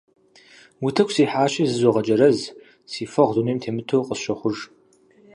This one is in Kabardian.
Утыку сихьащи, зызогъэджэрэз, си фэгъу дунейм темыту къысщохъуж.